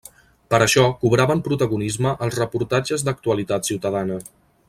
Per això, cobraven protagonisme els reportatges d’actualitat ciutadana.